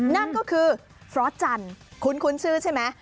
นั่นก็คือฟรอสจันทร์คุ้นชื่อใช่ไหม